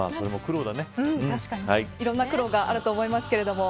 いろんな苦労があると思いますけれども。